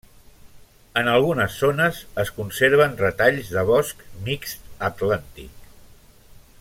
En algunes zones es conserven retalls de bosc mixt atlàntic.